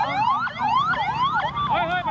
คุณตำรวจครับนี่ออกมาใจเย็นเฮ้ย